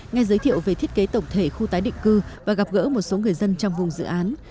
nghe giới thiệu về thiết kế tổng thể khu tái định cư và gặp gỡ một số người dân trong vùng dự án